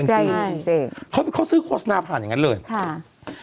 ได้ไงเจ๊เขาซื้อโฆษณาผ่านอย่างงั้นเลยครับ